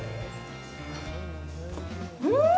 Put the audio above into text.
うん！